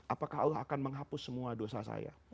apakah allah akan menghapus semua dosa saya